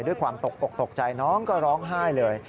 ด้วยความตกอกตกใจน้องก็ร้องไห้เลย